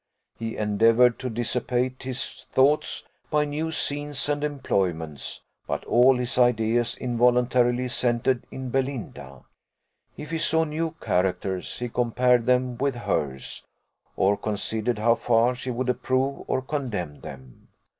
He endeavoured to dissipate his thoughts by new scenes and employments, but all his ideas involuntarily centred in Belinda. If he saw new characters, he compared them with hers, or considered how far she would approve or condemn them.